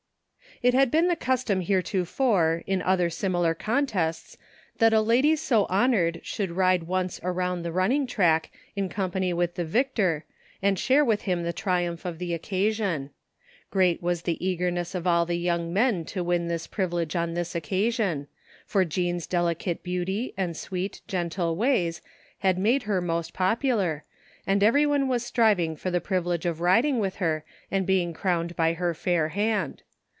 It had been the custom heretofore in ojther similar contests that a lady so honored should ride once around the running track in company with the victor and share with him the triumph of the occasion. Great was the eagerness of all the young men to win this privilege on this occasion, for Jean's delicate beauty 206 THE FINDING OF JASPER HOLT and sweet, gentle ways had made her most popular, and everyone was striving for the privilege of riding with her and being crowned by her fair hand.